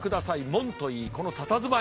門といいこのたたずまい。